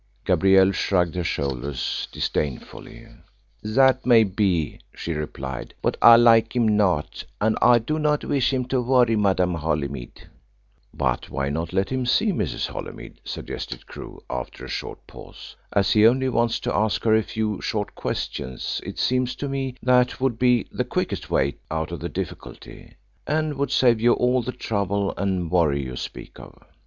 Gabrielle shrugged her shoulders disdainfully. "That may be," she replied; "but I like him not, and I do not wish him to worry Madame Holymead." "But why not let him see Mrs. Holymead?" suggested Crewe, after a short pause. "As he only wants to ask her a few short questions, it seems to me that would be the quickest way out of the difficulty, and would save you all the trouble and worry you speak of."